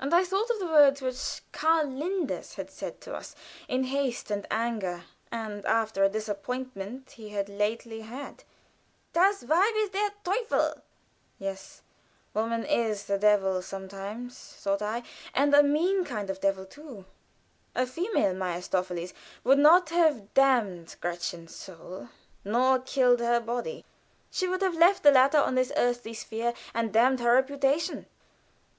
And I thought of the words which Karl Linders had said to us in haste and anger, and after a disappointment he had lately had, "Das weib ist der teufel." Yes, woman is the devil sometimes, thought I, and a mean kind of devil too. A female Mephistopheles would not have damned Gretchen's soul, nor killed her body, she would have left the latter on this earthly sphere, and damned her reputation.